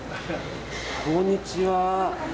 こんにちは。